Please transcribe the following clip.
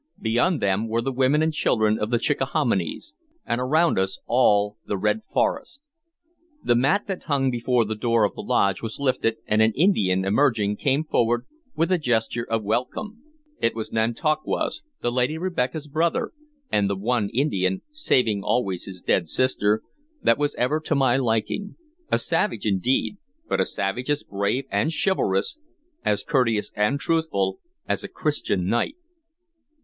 Beyond them were the women and children of the Chickahominies, and around us all the red forest. The mat that hung before the door of the lodge was lifted, and an Indian, emerging, came forward, with a gesture of welcome. It was Nantauquas, the Lady Rebekah's brother, and the one Indian saving always his dead sister that was ever to my liking; a savage, indeed, but a savage as brave and chivalrous, as courteous and truthful, as a Christian knight.